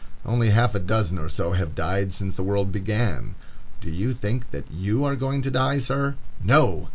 Only half a dozen or so have died since the world began. Do you think that you are going to die, sir? No!